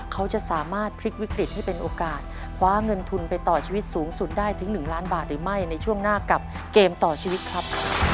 เขาจะสามารถพลิกวิกฤตให้เป็นโอกาสคว้าเงินทุนไปต่อชีวิตสูงสุดได้ถึง๑ล้านบาทหรือไม่ในช่วงหน้ากับเกมต่อชีวิตครับ